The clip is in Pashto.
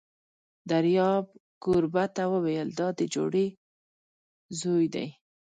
دریاب کوربه ته وویل: دا دې جوړې زوی دی!